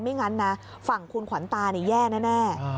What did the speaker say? งั้นนะฝั่งคุณขวัญตาแย่แน่